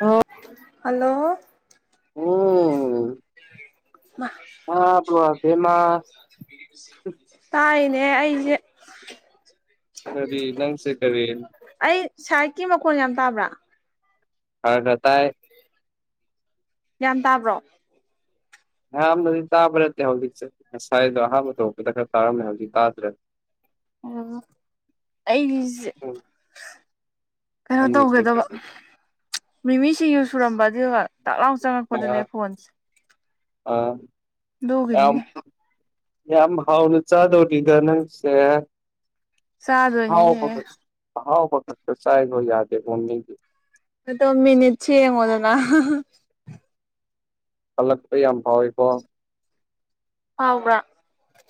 ꯑ ꯍꯂꯣ ꯍꯥꯥꯕꯕꯦꯃ ꯑꯦ ꯑꯩꯩꯅ ꯀꯔꯤ ꯂꯟꯁꯦ ꯀꯔꯤ ꯑꯩ ꯁꯥꯏꯠꯀꯤ ꯃꯈꯣꯟ ꯌꯥꯝ ꯇꯥꯕ꯭ꯔꯥ ꯍ ꯑꯇꯏ ꯌꯥꯝꯒ꯭ꯌꯥꯟ ꯇꯥꯕ꯭ꯔꯣ ꯑꯌꯥꯝꯅꯗꯤ ꯇꯥꯕ ꯅꯠꯇꯦ ꯍꯧꯖꯤꯛꯁꯦ ꯉꯁꯥꯏꯗꯣ ꯑꯍꯥꯟꯕ ꯊꯣꯛꯄꯗ ꯈꯔ ꯇꯥꯔꯝꯃꯦ ꯍꯧꯖꯤꯛ ꯇꯥꯗ꯭ꯔꯦ ꯑ ꯑꯩꯒꯤꯁꯦ ꯎꯝ ꯀꯩꯅꯣ ꯅꯪꯒꯤꯁꯦ ꯇꯧꯒꯗꯕ ꯀꯔꯤ ꯃꯤꯃꯤꯁꯤꯡ ꯁꯨꯔꯝꯕ ꯑꯗꯨꯒ ꯇꯥꯛ ꯂꯥꯎ ꯆꯪꯉꯛꯄꯗꯨꯅꯦ ꯑꯥ ꯐꯣꯟꯁꯦ ꯑꯥ ꯌꯥꯝ ꯂꯒꯅꯤꯅꯦ ꯌꯥꯝ ꯍꯥꯎꯅ ꯆꯥꯗꯧꯔꯤꯗ ꯅꯪꯁꯦ ꯍꯥꯎ ꯆꯥꯗꯣꯏꯅꯤꯅꯦ ꯐ ꯍꯥꯎ ꯐꯠ ꯀꯁꯥꯏꯗ ꯌꯥꯗꯦ ꯎꯝꯅꯤꯒꯤ ꯍ ꯇꯣ ꯃꯤꯅꯤꯁꯤꯃꯗꯅ ꯍꯜꯂꯛꯄ ꯌꯥꯝ ꯐꯥꯎꯋꯦꯀꯣ ꯍꯥꯎꯕ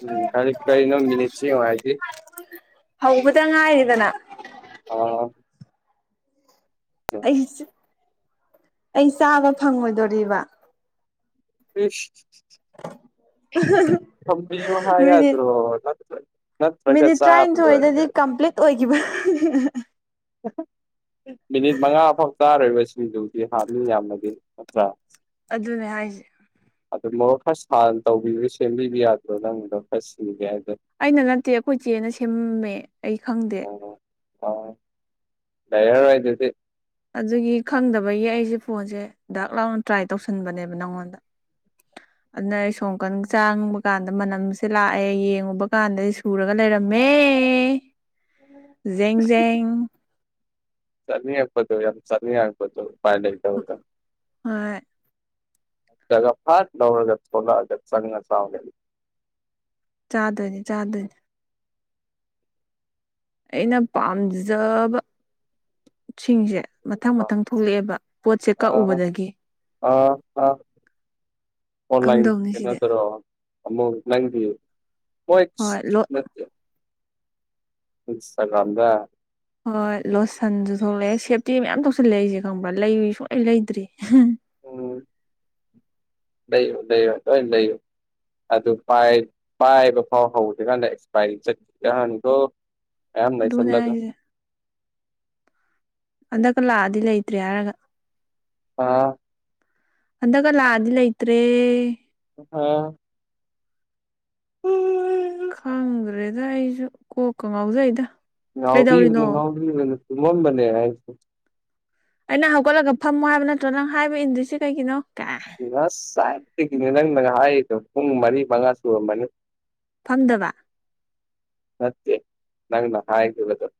ꯎꯝ ꯀꯔꯤ ꯀꯅ ꯃꯤꯅꯤꯁꯤ ꯋꯥꯥꯏꯗꯤ ꯍꯥꯏꯗꯅ ꯑꯩ ꯑꯩ ꯆꯥꯕ ꯐꯪꯉꯣꯏꯗꯣꯔꯤꯕ ꯁ [inaudible] ꯀꯃ ꯌꯨ ꯃꯤꯅꯤꯠ ꯍꯥꯏꯗ꯭ꯔꯣ ꯃꯤꯅꯤꯠ ꯇꯔꯥꯅꯤꯊꯣꯏꯗꯗꯤ ꯀꯝꯄ꯭ꯂꯤꯠ ꯑꯣꯏꯈꯤꯕ ꯃꯤꯅꯤꯠ ꯃꯉꯥ ꯐꯥꯎ ꯇꯥꯔꯔꯤꯕꯁꯤꯡꯗꯨꯗꯤ ꯍꯥꯞꯅꯤꯡ ꯌꯥꯝꯅꯗꯤ ꯅꯠꯇ꯭ꯔꯥ ꯑꯗꯨꯅꯦ ꯍꯥꯏꯁꯦ ꯑꯗꯨ ꯃꯣꯛ ꯈꯔꯅ ꯇꯧꯕꯤꯕ ꯁꯦꯝꯕꯤꯕ ꯌꯥꯗ꯭ꯔꯣ ꯅꯪꯗꯣ ꯈꯔ ꯁꯤꯒꯦ ꯍꯥꯏ ꯑꯩꯅ ꯅꯠꯇꯦ ꯑꯩꯈꯣꯏ ꯏꯆꯦꯅ ꯁꯦꯝꯃꯦ ꯑꯩ ꯈꯪꯗꯦ ꯑ ꯔ ꯑꯣꯏꯗꯨꯗꯤ ꯑꯗꯨꯒꯤ ꯈꯪꯗꯕꯒꯤ ꯑꯩꯁꯦ ꯐꯣꯟꯁꯦ ꯗꯥꯛ ꯂꯥꯎꯅ ꯇ꯭ꯔꯥꯏ ꯇꯧꯁꯟꯕꯅꯦꯕ ꯅꯪꯉꯣꯟꯗ [unintelligible] ꯑꯗꯨꯅ ꯑꯩ ꯁꯣꯝꯀꯟ ꯆꯥꯡꯨꯕ ꯀꯥꯟꯗ ꯃꯅꯝꯁꯦ ꯂꯥꯛꯑꯦ ꯌꯦꯡꯉꯨꯕ ꯀꯥꯟꯗꯗꯤ ꯁꯨꯔꯒ ꯂꯩꯔꯝꯃꯦ ꯖꯦꯡꯖꯦꯡ ꯆꯅꯤ ꯍꯥꯏꯥꯛꯄꯗ ꯌꯥꯝ ꯆꯅꯤ ꯍꯥꯏꯥꯛꯕꯗꯨ ꯃꯥꯥꯏ ꯂꯩꯇ ꯍꯒ ꯍꯣꯏ ꯖꯒꯥ ꯐꯔ ꯗꯧꯔꯒ ꯊꯣꯂꯒꯠ ꯆꯅꯤꯡ ꯉꯁ ꯆꯥꯗꯅꯤ ꯆꯥꯗꯅꯤ ꯑꯩꯅ ꯄꯥꯝꯖꯕ ꯁꯤꯡꯁꯦ ꯃꯊꯪ ꯑꯥ ꯃꯊꯪ ꯊꯣꯛꯂꯛꯑꯦꯕ ꯄꯣꯠꯁꯦ ꯀꯛꯎꯕꯗꯒꯤ ꯑ ꯑꯣꯟꯂꯥꯏꯟ ꯀꯝꯗꯧꯅꯤ ꯌꯦꯅ ꯁꯤꯗꯤ ꯇꯔꯣ ꯑꯃꯃꯨ ꯅꯪꯕꯤ ꯑꯣ ꯍꯣꯏ ꯂꯣ ꯅꯠꯇ ꯏꯟꯁꯇꯒ꯭ꯔꯝꯗ ꯍꯣꯏ ꯂꯣꯠꯁꯟꯁꯨ ꯊꯣꯛꯂꯛꯑꯦ ꯁꯦꯞꯇꯤ ꯃꯌꯥꯝ ꯊꯣꯛꯁꯜꯂꯛꯑꯦ ꯑꯩꯁꯦ ꯈꯪꯕ꯭ꯔꯥ ꯂꯩ ꯁꯨꯡꯂꯩ ꯂꯩꯗ꯭ꯔꯤ [inaudible] ꯂꯩꯔꯣ ꯂꯩꯔꯣ ꯂꯣꯏ ꯂꯩꯔꯣ ꯑꯗꯨ ꯄꯥꯏꯕ ꯐꯥꯎ ꯍꯧꯗ꯭ꯔꯤꯀꯥꯟꯗ ꯑꯦꯛꯁꯄꯥꯏꯔꯤ ꯆꯠ ꯀꯍꯥꯟꯗꯣ ꯃꯌꯥꯝ ꯑꯗꯨꯅꯦ ꯂꯩꯁꯜꯂꯒ ꯍꯥꯏꯁꯦ ꯍꯟꯗꯛꯀ ꯂꯥꯛꯑꯗꯤ ꯂꯩꯇ꯭ꯔꯦ ꯍꯥꯏꯔꯒ ꯑꯥ ꯍꯟꯗꯀ ꯂꯥꯛꯑꯗꯤ ꯂꯩꯇ꯭ꯔꯦ ꯑ [unintelligible] ꯈꯪꯗ꯭ꯔꯦꯗ ꯑꯩꯁꯨ ꯀꯣꯛꯀ ꯉꯥꯎꯖꯩꯗ ꯀꯩꯗꯧꯔꯤꯅꯣ ꯉꯥꯎꯕꯤꯔꯨꯅꯨ ꯉꯥꯎꯕꯤꯔꯨꯅꯨ ꯇꯨꯝꯃꯝꯕꯅꯦ ꯑꯩꯁꯨ ꯑꯩꯅ ꯍꯧꯒꯠꯂꯒ ꯐꯝꯃꯣ ꯍꯥꯏꯕ ꯅꯠꯇ꯭ꯔꯣ ꯅꯪ ꯍꯥꯏꯕ ꯏꯟꯗꯣꯏꯁꯤ ꯀꯩꯒꯤꯅꯣ ꯀꯥꯏ ꯉꯥꯏꯁꯥꯗꯒꯤꯅꯦ ꯅꯪ ꯅ ꯍꯥꯏꯗꯣ ꯄꯨꯡ ꯃꯔꯤ ꯃꯉꯥ ꯁꯨꯔꯝꯃꯅꯤ ꯐꯪꯗꯕ ꯅꯠꯇꯦ ꯅꯪꯅ ꯍꯥꯏꯒꯗ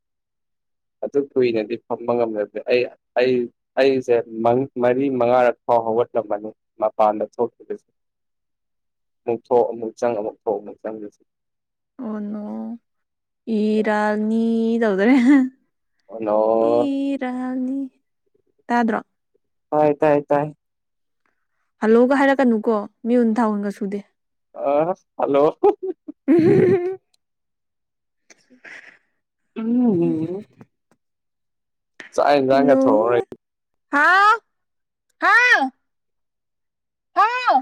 ꯑꯗꯨ ꯀꯨꯏꯅꯗꯤ ꯐꯝꯕ ꯉꯝꯗꯕꯅꯤ ꯑꯩ ꯑꯩꯁꯦ ꯃꯔꯤ ꯃꯉꯥꯔꯛ ꯑꯣ ꯍꯣ ꯍꯧꯒꯠꯂꯝꯕꯅꯤ ꯃꯥꯄꯥꯟꯗ ꯊꯣꯛꯈꯤꯕ [inaudible] ꯑꯃꯨꯛ ꯊꯣꯛ ꯑꯃꯨꯛ ꯆꯪ ꯑꯃꯨꯛ ꯊꯣꯛ ꯑꯃꯨꯛ ꯆꯪꯁꯤ ꯑꯣ ꯅꯣ ꯏꯔꯥꯜꯅꯤ [unintelligible] ꯍꯜꯂꯣ ꯌꯥꯅꯤ ꯇꯥꯗ꯭ꯔꯣ ꯍꯥꯏ ꯇꯥꯏ ꯇꯥꯏ ꯍꯜꯂꯣꯒ ꯍꯥꯏꯔꯛꯀꯅꯨꯀꯣ ꯃꯤꯍꯨꯟ ꯊꯥꯟꯍꯨꯟꯒ ꯁꯨꯗꯦ ꯑ ꯍꯜꯂꯣ [unintelligible] [unintelligible] ꯆꯥꯛ ꯍꯤꯡꯖꯥꯡꯒ ꯊꯣꯡꯉꯥꯔꯣꯏ ꯅꯣꯡꯃ ꯍꯥꯎ ꯍꯥꯎ ꯍꯥꯎ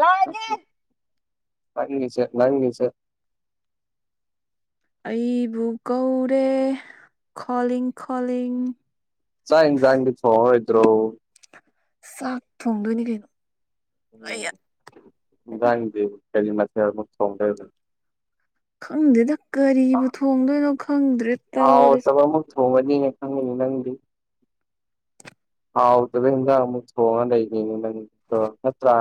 ꯂꯑꯒꯦ ꯅꯪꯒꯤꯁꯦ ꯅꯪꯒꯤꯁꯦ ꯑꯩꯕꯨ ꯀꯧꯔꯦ ꯈꯣꯂꯤꯡ ꯈꯣꯂꯤꯡ ꯆꯥꯛ ꯍꯤꯡꯖꯥꯡ ꯊꯣꯏꯉꯥꯔꯣꯏꯗ꯭ꯔꯣ ꯆꯥꯛ ꯊꯣꯡꯗꯣꯏꯅꯤ ꯀꯩꯅꯣ ꯎꯝ ꯑꯩ ꯅꯨꯡꯗꯥꯡꯒꯤ ꯀꯥꯔꯤ ꯃꯥꯊꯦꯜ ꯊꯣꯡꯗꯣꯏꯕ ꯈꯪꯗꯦꯗ ꯀꯔꯤꯕꯨ ꯊꯣꯡꯗꯣꯏꯅꯣ ꯈꯪꯗ꯭ꯔꯦ ꯇꯧꯔꯤꯁꯦ ꯑꯪ ꯅꯪꯗꯤ ꯍꯥꯎꯇꯕ ꯍꯤꯡꯖꯥꯡ ꯑꯃꯨꯛ ꯊꯣꯡꯉ ꯂꯩꯅꯤ ꯅꯠꯇ꯭ꯔ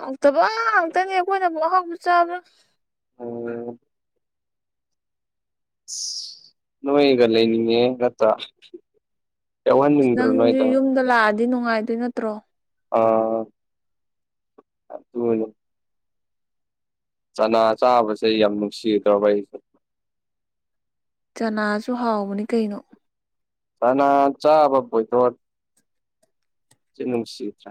ꯍꯥꯎꯇꯕ ꯍꯥꯎꯇꯅꯤ ꯑꯩꯈꯣꯏꯅꯕꯨꯛ ꯑꯍꯥꯎꯕ ꯆꯥꯕ꯭ꯔꯥ ꯎꯝ ꯅꯣꯏꯒ ꯂꯩꯅꯤꯡꯉꯦ ꯉꯠꯇ ꯀꯧꯟ ꯅꯤꯡꯗ꯭ꯔꯣ ꯅꯣꯏꯗ ꯑꯗꯨꯗꯤ ꯅꯨꯡꯉꯥꯏꯗꯣꯏ ꯅꯠꯇ꯭ꯔꯣ ꯑꯥ ꯑꯗꯨꯅꯤ ꯆꯅꯥ ꯆꯥꯕꯁꯦ ꯑꯩ ꯌꯥꯝ ꯅꯨꯡꯁꯤꯗ꯭ꯔꯕ ꯑꯩꯁꯦ ꯆꯅꯥꯁꯨ ꯍꯥꯎꯕꯅꯤ ꯀꯩꯅꯣ ꯆꯥꯅ ꯆꯥꯕ ꯄꯣꯏꯇꯣꯟ ꯅꯨꯡꯁꯤꯗ꯭ꯔꯥ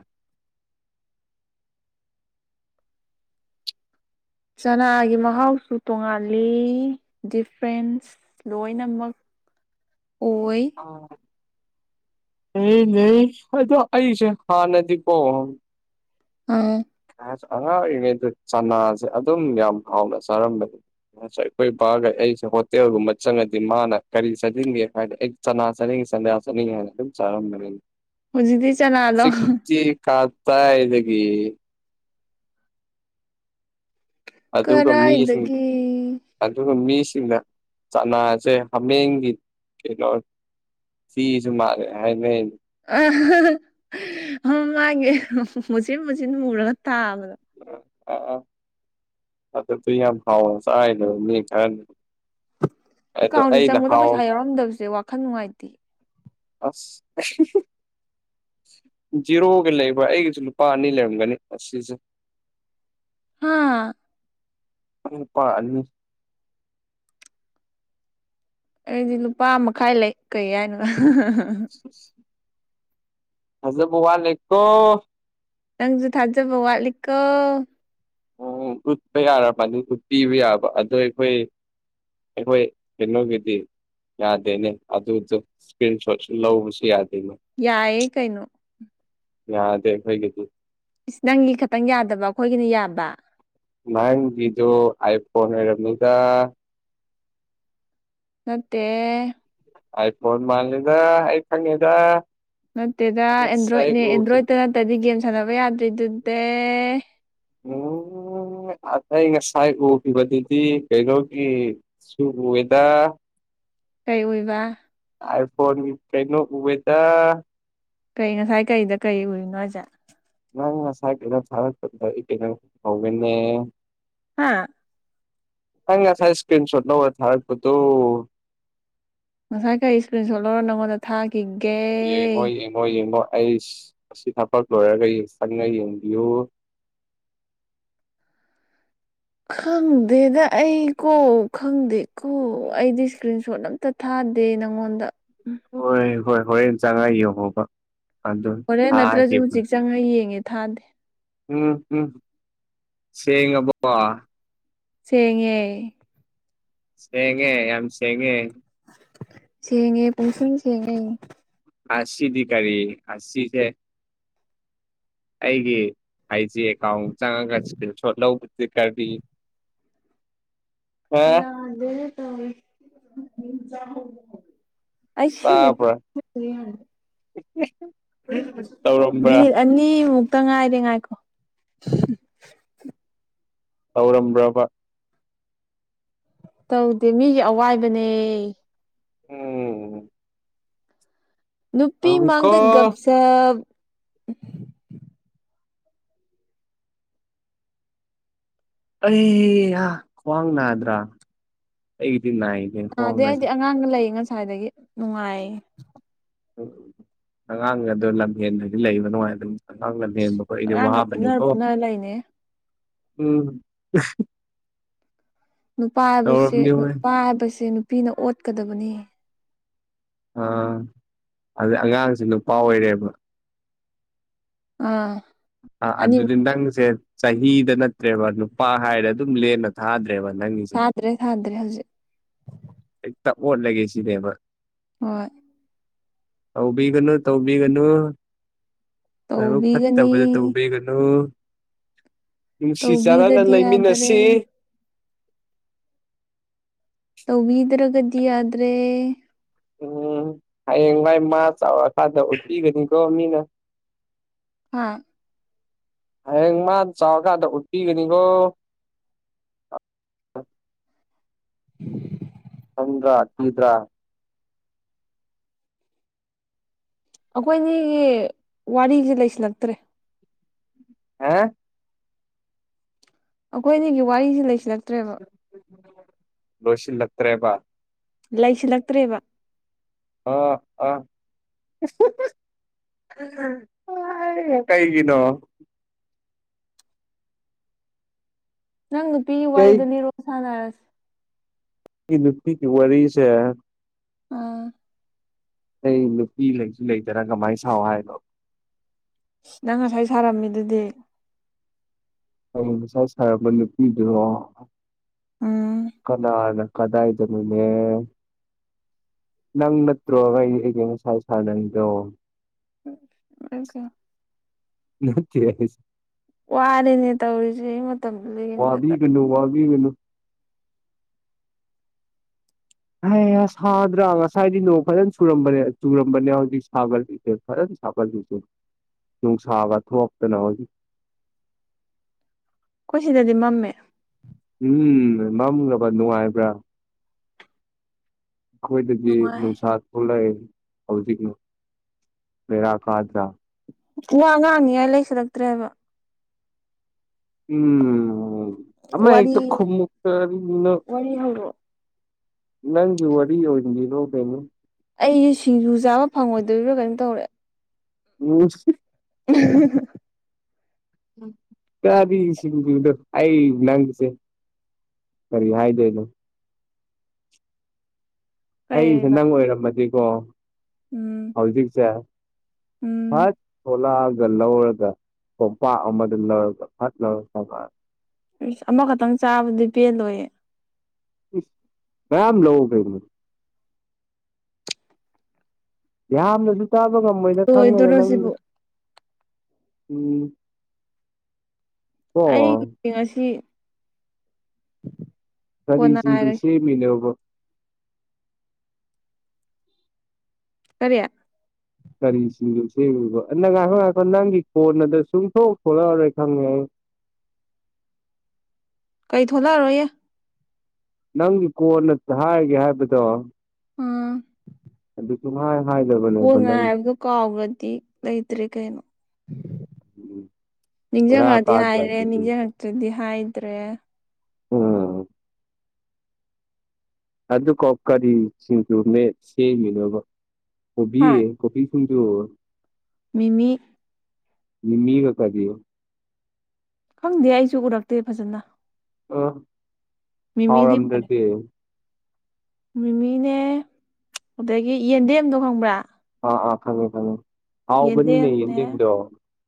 ꯆꯅꯥꯒꯤ ꯃꯍꯥꯎꯁꯨ ꯇꯣꯉꯥꯜꯂꯤ ꯗꯤꯐ꯭ꯔꯦꯟꯁ ꯂꯣꯏꯅꯃꯛ [inaudible] ꯑꯥ ꯑꯦ ꯂꯩ ꯑꯗ ꯑꯁ ꯍꯥꯥꯟ ꯅ ꯀꯣ ꯑꯝ ꯑꯉꯥꯡ ꯑꯣꯏꯔꯤꯉꯩꯗ ꯆꯅꯥꯁꯦ ꯑꯗꯨꯝ ꯌꯥꯝ ꯍꯥꯎꯅ ꯆꯥꯔꯝꯕꯅꯦ ꯉꯁ ꯑꯩꯈꯣꯏ ꯄꯥꯒ ꯑꯩꯁꯦ ꯍꯣꯇꯦꯜꯒꯨꯝꯕ ꯆꯪꯉꯗꯤ ꯃꯥꯅ ꯀꯔꯤ ꯆꯠꯅꯤꯡꯒꯦ ꯍꯥꯏꯗꯤ ꯑꯩ ꯆꯅꯥ ꯆꯅꯤꯡꯉꯦ ꯁꯟꯗꯥꯁꯅꯤꯝ ꯆꯔꯝ ꯃꯔ ꯍꯧꯖꯤꯛꯇꯤ ꯆꯅꯥꯗꯣ ꯆꯛꯇꯤ ꯀꯥ ꯇ ꯏꯗꯒꯤ ꯑꯗꯨ ꯃꯤꯁ ꯀꯔꯥꯏꯗꯒꯤ ꯑꯗꯨ ꯃꯤꯁ ꯁꯤꯡꯗ ꯆꯅꯥꯁꯦ ꯍꯥꯃꯦꯡꯒꯤ ꯀꯩꯅꯣ ꯁꯤꯁꯨ ꯃꯥꯔꯦ ꯍꯥꯏ ꯃꯥꯒꯤ ꯃꯨꯆꯤꯟ ꯃꯨꯆꯤꯟ ꯃꯨꯔꯒ ꯇꯥꯕꯗꯣ ꯑ ꯑꯗꯨ ꯇꯏ ꯌꯥꯝ ꯍꯥꯎ ꯆꯥꯏꯅꯦꯕ ꯃꯤ ꯈꯔ ꯑꯦꯀꯥꯎꯟꯁꯦ ꯆꯪꯕꯗ ꯄꯩꯁꯥ ꯌꯥꯎꯔꯝꯗꯕꯁꯦ ꯋꯥꯈꯜ ꯅꯨꯡꯉꯥꯏꯇꯦ ꯑꯁ ꯖꯤꯔꯣꯒ ꯂꯩꯕ꯭ꯔꯥ ꯑꯩꯒꯤꯁꯨ ꯂꯨꯄꯥ ꯑꯅꯤ ꯂꯩꯔꯝꯒꯅꯤ ꯑꯁꯤꯁꯦ ꯍꯥꯥ ꯀ ꯑꯩꯗꯤ ꯂꯨꯄꯥ ꯃꯈꯥꯏ ꯂꯩ ꯀꯩ ꯍꯥꯏꯅꯣ ꯍꯖꯕꯨ ꯋꯥꯂꯩꯀꯣ ꯅꯪꯁꯨ ꯊꯥꯖꯕ ꯋꯥꯠꯂꯤꯀꯣ ꯑꯣ ꯎꯠꯄ ꯌꯥꯔꯕꯅꯤꯗꯨ ꯄꯤꯕ ꯌꯥꯕ ꯑꯗꯣ ꯑꯩꯈꯣꯏ ꯑꯩꯈꯣꯏ ꯀꯩꯅꯣꯒꯤꯗꯤ ꯌꯥꯗꯦꯅꯦ ꯑꯗꯨ ꯁ ꯂ ꯍꯨꯁꯤ ꯌꯥ ꯌꯥꯑꯦ ꯀꯩꯅꯩꯅꯣ ꯌꯥ ꯗꯦꯏꯒꯤꯗꯤ ꯏꯁ ꯅꯪꯒꯤ ꯈꯇꯪ ꯌꯥꯗꯕ ꯑꯩꯈꯣꯏꯒꯤꯅ ꯌꯥꯕ ꯃꯖꯣ ꯑꯥꯏ ꯐꯣꯟꯣꯟ ꯔꯃꯤꯗꯥ ꯅꯠꯇꯦ ꯑꯩꯥꯏ ꯐꯣꯟ ꯃꯥꯜꯂꯤꯗ ꯑꯩ ꯊꯅꯤꯗ ꯅꯠꯇꯦꯗ ꯑꯦꯟꯗ꯭ꯔꯣꯏꯗꯅꯦ ꯑꯦꯟꯗ꯭ꯔꯣꯏꯗꯠꯇ ꯅꯠꯇꯗꯤ ꯒꯦꯝ ꯁꯥꯟꯅꯕ ꯌꯥꯗ꯭ꯔꯤ ꯎꯝ ꯑꯩ ꯉꯁꯥꯏ ꯎꯈꯤꯕꯗꯨꯗꯤ ꯀꯩꯅꯣꯒꯤ ꯁꯋꯦꯗ ꯀꯩ ꯑꯣꯏꯕ ꯑꯥꯏꯐꯣꯟ ꯀꯩꯅꯣ ꯎꯕꯦꯗ ꯀꯩ ꯉꯁꯥꯏ ꯀꯩꯗ ꯀꯩ ꯎꯔꯤꯅꯣ ꯍꯥꯏꯁꯦ ꯀꯩꯅ ꯊ ꯀꯩꯅ ꯍꯧ ꯍꯥꯥ ꯍ ꯊꯥꯏ ꯏꯁꯀ꯭ꯔꯤꯟ ꯁꯣꯠ ꯅ ꯑꯣꯏ ꯊꯄꯠꯇꯣ ꯉꯁꯥꯏ ꯈꯔ ꯏꯁꯀ꯭ꯔꯤꯟ ꯁꯣꯂꯔꯣ ꯅꯪꯉꯣꯟꯗ ꯊꯥ ꯌꯦꯃꯣ ꯌꯦꯃꯣ ꯌꯦꯃꯣ ꯑꯁ ꯑꯁꯤ ꯊꯕꯛ ꯂꯣꯏꯔꯒ ꯆꯪꯉ ꯌꯦꯡꯕꯤꯌꯨ ꯈꯪꯗꯦꯗ ꯑꯩ ꯀꯣ ꯈꯪꯗꯦꯀꯣ ꯑꯩꯗꯤ ꯏꯁꯀ꯭ꯔꯤꯟ ꯁꯣꯠ ꯑꯝꯇ ꯊꯥꯗꯦ ꯅꯪꯉꯣꯟꯗ ꯍꯣꯏ ꯍꯣꯏ ꯍꯣꯔꯦꯟ ꯆꯉꯥꯏ ꯌꯦꯡꯉꯣꯕ ꯑꯗꯨ ꯍꯣꯔꯦꯟ ꯅꯠꯇ꯭ꯔꯁꯨ ꯊꯥꯈꯤꯕꯅꯦ ꯍꯧꯖꯤꯛ ꯆꯪꯉꯒ ꯌꯦꯡꯉꯦ ꯊꯥꯗꯦ ꯎꯝ ꯎꯝ ꯁꯉꯕ ꯆꯦꯡꯉꯦ ꯁꯦꯡꯉꯦ ꯌꯥꯝ ꯁꯦꯡꯉꯦ ꯁꯦꯉꯦ ꯄꯨꯁ ꯁꯦꯉꯦ ꯑꯁꯤ ꯤꯀꯥꯔꯤ ꯑꯁꯤꯁ ꯑꯩꯒꯤ ꯑꯥꯢꯖꯤ ꯑꯦꯀꯥꯎꯟꯗ ꯆꯪꯉꯒ ꯁꯀ꯭ꯔꯤꯟ ꯁꯣꯠ ꯂꯧꯕꯗꯤ ꯀꯔꯤ ꯍꯥ ꯌꯥꯗꯦꯍꯦ [unintelligible] ꯇꯥꯕ꯭ꯔꯥ [unintelligible] ꯇꯧꯔꯝꯕ꯭ꯔꯥ ꯃꯤꯅꯤꯠ ꯑꯅꯤ ꯃꯨꯛ ꯇ ꯉꯥꯏꯔꯦ ꯉꯥꯏꯈꯣ ꯍꯧꯔꯝꯕ꯭ꯔꯥꯕ ꯇꯧꯗꯦ ꯃꯤꯒꯤ ꯑꯋꯥꯏꯕꯅꯦ ꯎꯝ ꯅꯨꯄꯤ ꯃꯥꯡꯗ ꯇꯧꯏꯀꯣ ꯒꯞ-ꯁꯞ ꯑꯦ ꯌꯥ ꯈ꯭ꯋꯥꯡ ꯅꯥꯗ꯭ꯔꯥ ꯑꯩ ꯅꯥꯗꯦ ꯑꯩꯗꯤ ꯑꯉꯥꯡꯒ ꯂꯩꯌꯦ ꯉꯁꯥꯏꯗꯒꯤ ꯅꯨꯡꯉꯥꯏꯌꯦ ꯑꯉꯥꯡ ꯑꯗꯣ ꯂꯝꯍꯦꯟꯗ꯭ꯔꯤꯗꯤ ꯂꯩꯕ ꯅꯨꯡꯉꯥꯏ ꯑꯗꯨꯝ ꯑꯉꯥꯡ ꯂꯝꯍꯦꯟ ꯕꯀꯣ ꯑꯩꯗꯤ ꯑꯉꯥꯡꯒ ꯐꯨꯅꯔ ꯋꯥꯕꯅꯤꯀꯣ ꯐꯨꯅꯔ ꯂꯩꯅꯦ ꯎꯝ ꯅꯨꯄꯥ ꯍꯥꯏꯕꯁꯦ ꯇꯧꯔꯝꯅꯤ ꯍꯣꯏ ꯅꯨꯄꯥ ꯍꯥꯏꯕꯁꯦ ꯅꯨꯄꯤꯅ ꯑꯣꯠꯀꯗꯕꯅꯤ ꯑ ꯑꯗ ꯑꯉꯥꯡꯁꯨ ꯅꯨꯨꯄꯥ ꯑꯣꯏꯔꯦꯕ ꯑꯥ ꯑꯥ ꯑꯅꯤꯃꯨꯛ ꯑꯗꯨꯗꯤ ꯅꯪꯖꯦ ꯆꯍꯤꯗ ꯅꯠꯇ꯭ꯔꯦꯕ ꯅꯨꯄꯥ ꯍꯥꯏꯔ ꯑꯗꯨꯝ ꯂꯦꯟꯅ ꯊꯥꯗ꯭ꯔꯦ ꯊꯥꯗ꯭ꯔꯦ ꯊꯥꯗ꯭ꯔꯦ ꯍꯧꯖꯤꯛ ꯍꯦꯛꯇ ꯑꯣꯠꯂꯒꯦ ꯁꯤꯅꯦꯕ ꯍꯣꯏ ꯇꯧꯕꯤꯒꯅꯨ ꯇꯧꯕꯤꯒꯅꯨ ꯅꯕꯨꯛ ꯇꯧꯕꯤꯒꯅꯤ ꯐꯠꯇꯕꯗꯨ ꯇꯧꯕꯤꯒꯅꯨ ꯅꯨꯡꯁꯤ ꯆꯥꯟꯅꯅ ꯇꯧꯕꯤꯗꯗꯤ ꯌꯥꯗꯔꯦ ꯂꯩꯃꯤꯟꯅꯁꯤ ꯇꯧꯕꯤꯗ꯭ꯔꯒꯗꯤ ꯌꯥꯗ꯭ꯔꯦ ꯎꯝ ꯍꯌꯦꯡꯋꯥꯥꯏ ꯃꯥ ꯆꯥꯎꯔꯀꯥꯟꯗ ꯎꯠꯄꯤꯒꯅꯤꯀꯣ ꯃꯤꯅ ꯍꯥ ꯍꯌꯦꯡ ꯃꯥ ꯆꯥꯎꯔꯀꯥꯟꯗ ꯎꯠꯄꯤꯒꯅꯤꯀꯣ [inaudible] [inaudible] ꯇꯟꯗ꯭ꯔꯥ ꯀꯤꯗ꯭ꯔꯥ ꯑꯩꯈꯣꯏꯅꯤꯒꯤ ꯋꯥꯔꯤꯖꯦ ꯂꯩꯁꯤꯜꯂꯛꯇ꯭ꯔꯦ ꯍꯥ ꯑꯩꯈꯣꯏ ꯑꯅꯤꯒꯤ ꯋꯥꯔꯤꯁꯦ ꯂꯩꯁꯤꯜꯂꯛꯇ꯭ꯔꯦꯕ ꯂꯣꯢꯁꯤꯜ ꯂꯛꯇ꯭ꯔꯦꯕ ꯂꯩꯁꯤꯜꯂꯛꯇ꯭ꯔꯦꯕ ꯑꯥ ꯑꯥ ꯀꯩꯒꯤꯅꯣ ꯅꯪ ꯅꯨꯄꯤꯒꯤ ꯋꯥꯔꯤꯗꯣ ꯀꯩꯒꯤ ꯂꯤꯔꯛꯑꯣ ꯁꯥꯟꯅꯔꯁꯦ ꯑꯩ ꯅꯨꯄꯤꯒꯤ ꯋꯥꯔꯤꯁꯦ ꯑꯥ ꯑꯩ ꯅꯨꯄꯤ ꯂꯩꯁꯨ ꯂꯩꯇꯔꯥ ꯀꯃꯥꯏꯅ ꯁꯥꯎ ꯍꯥꯏꯅꯣ ꯅꯪ ꯉꯁꯥꯏ ꯁꯥꯔꯝꯃꯤꯗꯨꯗꯤ ꯑꯩꯅ ꯉꯁꯥꯢ ꯁꯥꯔꯝꯕ ꯅꯨꯄꯤꯗꯨꯔꯣ ꯎꯝ ꯀꯅꯥꯅ ꯀꯗꯥꯏꯗꯅꯣꯅꯦ ꯅꯪ ꯅꯠꯇ꯭ꯔꯣ ꯑꯩ ꯑꯩꯒ ꯉꯁꯥꯢ ꯁꯥꯟꯅꯔꯤꯗꯣ [unintelligible] ꯅꯠꯇꯦ ꯢꯁ ꯋꯥꯔꯦꯅꯦ ꯇꯧꯔꯤꯖꯦ ꯑꯩ ꯃꯇꯝ ꯂꯦꯟꯕꯗ ꯎꯏꯒꯅꯨ ꯍꯩꯌꯥ ꯁꯥꯎꯗ꯭ꯔꯥ ꯉꯁꯥꯏꯗꯤ ꯅꯣꯡ ꯐꯖꯟ ꯆꯨꯔꯝꯕꯅꯦ ꯆꯨꯔꯝꯕꯅꯦ ꯍꯧꯖꯤꯛ ꯁꯥꯒꯠꯂꯤꯁꯦ ꯐꯖꯟ ꯁꯥꯒꯜꯂꯤꯁꯦ ꯅꯨꯡꯁꯥꯒꯥ ꯊꯣꯛꯇꯅ ꯍꯧꯖꯤꯛ ꯈꯣꯏꯁꯤꯗꯗꯤ ꯃꯝꯃꯦ ꯎꯝ ꯃꯝꯂꯕꯥ ꯅꯨꯡꯉꯥꯏꯕ꯭ꯔꯥ ꯑꯩꯈꯣꯏꯗꯗꯤ ꯅꯨꯡꯉꯥꯏ ꯅꯨꯡꯁꯥ ꯊꯣꯛꯂꯛꯑꯦ ꯍꯧꯖꯤꯛ ꯂꯩꯔꯥꯛ ꯀꯥꯗ꯭ꯔꯥ ꯋꯥ ꯉꯥꯡꯅꯤꯉꯥꯏ ꯂꯩꯁꯤꯜꯂꯛꯇ꯭ꯔꯦꯕ ꯎꯝ ꯑꯃ ꯋꯥꯔꯤ ꯍꯦꯛꯇꯥ ꯈꯨꯝꯃꯨ ꯀꯔꯤꯅꯣ ꯋꯥꯔꯤ ꯍꯧꯔꯛꯑꯣ ꯅꯪꯒꯤ ꯋꯥꯔꯤ ꯑꯣꯏꯅꯥ ꯂꯩꯔꯛꯑꯣ ꯀꯩꯅꯣ ꯑꯩ ꯁꯤꯡꯖꯨ ꯆꯥꯕ ꯐꯪꯉꯣꯏꯗꯣꯏꯔꯤꯔꯥ ꯀꯩꯅꯣꯝ ꯇꯧꯔꯦ ꯎꯝ [inaudible] ꯇꯥꯗꯤ ꯁꯤꯒꯨꯝꯕꯗꯨꯗꯥ ꯑꯩ ꯅꯪꯁꯦ ꯀꯔꯤ ꯍꯥꯏꯗꯣꯏꯅꯣ ꯑꯩꯁꯦ ꯀꯩꯕ ꯅꯪ ꯑꯣꯏꯔꯝꯃꯗꯤꯀꯣ ꯎꯝ ꯍꯧꯖꯤꯛꯁꯦ ꯎꯝ ꯐꯠ ꯊꯣꯂꯥꯑꯒ ꯂꯧꯔꯒ ꯀꯣꯝꯄꯥꯛ ꯑꯃꯗ ꯂꯧꯔꯒ ꯐꯠ ꯂꯧꯔꯛꯑꯒ ꯑꯃꯈꯛꯇꯪ ꯆꯥꯕꯗꯤ ꯄꯦꯜꯂꯣꯏꯌꯦ ꯃꯌꯥꯝ ꯂꯧ ꯀꯩꯒꯤꯅꯣ ꯌꯥꯝꯅꯁꯨ ꯆꯥꯕ ꯉꯝꯃꯣꯏꯗꯥ ꯈꯪꯉꯦꯅ ꯂꯣꯏꯗꯣꯔꯣ ꯅꯪꯕꯨ ꯁꯤꯕꯨ ꯎꯝ ꯀꯣ ꯑꯩꯒꯤ ꯉꯁꯤ ꯀꯣꯟꯅ ꯀꯔꯤꯁꯤꯡꯖꯨ ꯍꯥꯏꯔꯒꯦ ꯁꯦꯝꯃꯤꯅꯣꯕ ꯀꯔꯤ ꯀꯔꯤꯁꯤꯡꯖꯨ ꯁꯦꯝꯃꯤꯕꯥ ꯅꯪ ꯉꯥꯍꯥꯛ ꯉꯥꯍꯥꯛꯇ꯭ꯪ ꯅꯪꯒꯤ ꯀꯣꯟ ꯑꯗꯨ ꯁꯨꯡꯊꯣꯛ ꯊꯣꯛꯂꯛꯑꯔꯣꯏ ꯈꯪꯉꯦ ꯑꯩ ꯀꯩ ꯊꯣꯛꯂꯛꯑꯔꯣꯏꯌꯦ ꯅꯪꯒꯤ ꯀꯣꯟꯅ ꯍꯥꯏꯒꯦ ꯍꯥꯏꯕꯗꯣ ꯎꯝ ꯑꯗꯨꯁꯨ ꯃꯥꯏ ꯍꯣ ꯉꯥꯏꯕꯥꯗꯨ ꯀꯥꯎꯒꯔꯗꯤ ꯂꯩꯇꯔ꯭ꯦ ꯀꯩꯅꯣ ꯕꯦꯔꯥ ꯅꯤꯡꯁꯤꯡꯉꯛꯑꯗꯤ ꯀꯥꯗ꯭ꯔꯥ ꯍꯥꯏꯔꯦ ꯑꯗꯨꯗꯤ ꯅꯤꯡꯁꯤꯡꯉꯛꯇꯔꯗꯤ ꯍꯥꯏꯗ꯭ꯔꯦ ꯎꯝ ꯑꯗꯨ ꯀꯣꯛꯀꯥꯔꯤꯁꯤꯡꯖꯨ ꯃꯦꯠꯁꯤꯒꯤꯅꯣꯕꯥ ꯀꯣꯕꯤ ꯍꯥ ꯀꯣꯕꯤ ꯐꯨꯟꯗꯨ ꯃꯤꯃꯤ ꯃꯤꯃꯤ ꯀꯔꯤꯒꯥ ꯈꯪꯗꯦ ꯑꯩꯁꯨ ꯎꯔꯛꯇꯦ ꯐꯖꯅ ꯑ ꯍꯥꯎꯔꯝꯗ꯭ꯔꯗꯤ ꯃꯃꯤꯅꯦ ꯑꯗꯒꯤ ꯌꯦꯟꯗꯦꯝꯗꯣ ꯈꯪꯕ꯭ꯔꯥ ꯑꯥ ꯑꯥ ꯈꯪꯉꯦ ꯈꯪꯉꯦ ꯍꯥꯎꯕꯅꯤꯅꯦ ꯌꯦꯟꯗꯦꯝꯅꯦ ꯌꯦꯟꯗꯦꯝꯗꯣ